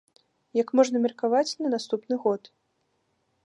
Як можна меркаваць, на наступны год.